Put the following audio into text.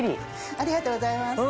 ありがとうございます。